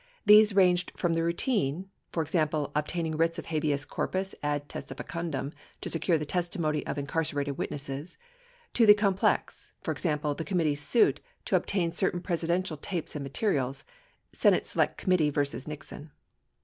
These ranged from the routine (e.g., obtaining writs of habeas corpus ad testified: ndv/n% to secure the testimony of incarcerated witnesses) to the complex (e.g., the committee's suit to obtain certain Presidential tapes and materials, Senate Select Committee v. Nixon).